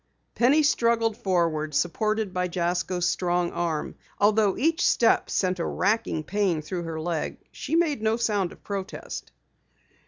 Penny struggled forward, supported by Jasko's strong arm. Although each step sent a wracking pain through her leg she made no sound of protest.